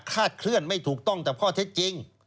เคลื่อนไม่ถูกต้องแต่ข้อเท็จจริง